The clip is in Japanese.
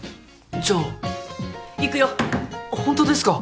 じゃあいくよっホントですか？